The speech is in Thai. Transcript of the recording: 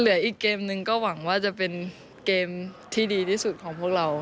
เหลืออีกเกมนึงก็หวังว่าจะเป็นเกมที่ดีที่สุดของพวกเรา